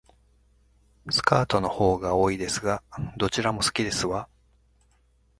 スカートの方が多いですが、どちらも好きですわ